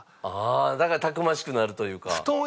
だからたくましくなるというか。